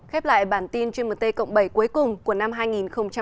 khép lại bản tin trên mt cộng bảy cuối cùng